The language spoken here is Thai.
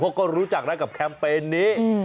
เขาก็รู้จักนะกับแคมเปญนี้